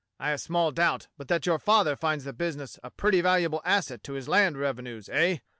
I have small doubt but that your father finds the business a pretty valuable asset to his land revenues, eh?